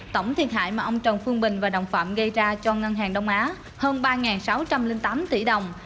tổng thiệt hại mà ông trần phương bình và đồng phạm gây ra cho ngân hàng đông á hơn ba sáu trăm linh tám tỷ đồng